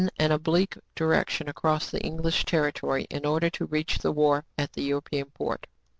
an oblique direction across the English territory, in order to reach the wharf at the European port.